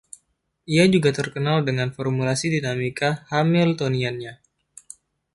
Ia juga terkenal dengan formulasi dinamika Hamiltoniannya.